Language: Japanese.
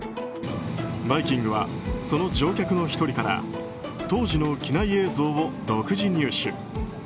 「バイキング」はその乗客の１人から当時の機内映像を独自入手。